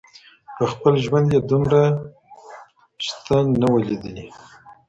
په خپل ژوند یې دومره شته نه وه لیدلي